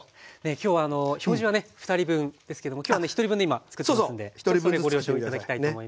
今日は表示はね２人分ですけども今日はね１人分で今つくってますんでご了承頂きたいと思います。